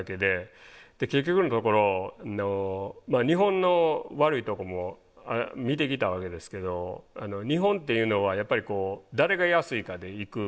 結局のところ日本の悪いとこも見てきたわけですけど日本っていうのはやっぱりこう誰が安いかでいくことが多いわけです。